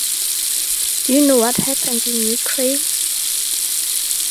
Do you know what happened in Ukraine?